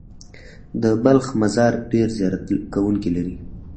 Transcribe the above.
د بلخ مزار ډېر زیارت کوونکي لري.